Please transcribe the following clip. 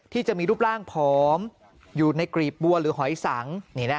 ที่มีรูปร่างผอมอยู่ในกรีบบัวหรือหอยสัง